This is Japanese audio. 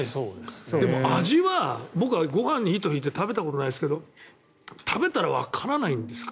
でも味は、僕はご飯に糸引いてるの食べたことないですが食べたらわからないんですか。